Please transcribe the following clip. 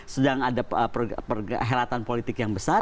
sedang ada perhelatan politik yang besar